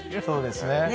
そうですね。